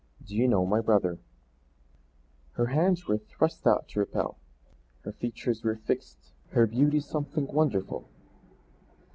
DO YOU KNOW MY BROTHER Her hands were thrust out to repel, her features were fixed; her beauty something wonderful.